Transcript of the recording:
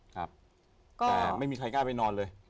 ครับแต่ไม่มีใครกล้าไปนอนเลย